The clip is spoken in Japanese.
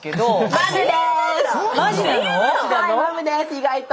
意外と。